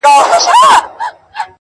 تر ملكونو تر ښارونو رسيدلي،